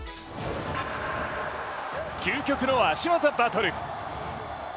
究極の足技バトル。